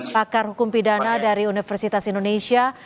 pakar hukum pidana dari universitas indonesia